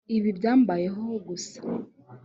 Ibi byambayeho gusa